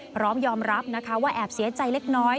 พร้อมยอมรับนะคะว่าแอบเสียใจเล็กน้อย